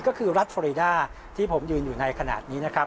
ก็คือรัฐฟอรีด้าที่ผมยืนอยู่ในขณะนี้นะครับ